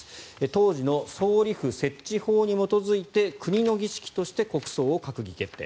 当時の総理府設置法に基づいて国の儀式として国葬を閣議決定。